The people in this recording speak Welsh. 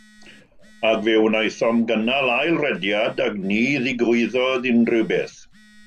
Ac fe wnaethom gynnal ail rediad ac ni ddigwyddodd unrhyw beth.